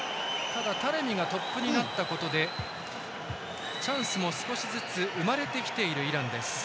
ただ、タレミがトップになったことでチャンスも少しずつ生まれてきているイランです。